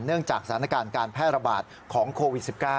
จากสถานการณ์การแพร่ระบาดของโควิด๑๙